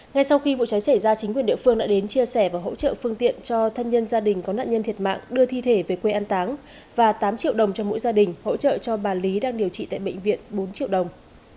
ngay sau khi vụ cháy xảy ra chính quyền địa phương đã đến chia sẻ và hỗ trợ phương tiện cho thân nhân gia đình có nạn nhân thiệt mạng đưa thi thể về quê ăn táng và tám triệu đồng cho mỗi gia đình hỗ trợ cho bà lý đang điều trị tại bệnh viện bốn triệu đồng